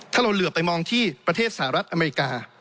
ถ้าเราเหลือไปมองที่ประเทศสหรัฐอเมริกา